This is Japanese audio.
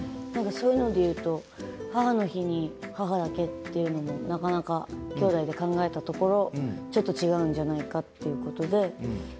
そういうのでいうと母の日に母だけというのもなかなか、きょうだいで考えたところちょっと違うんじゃないかということで。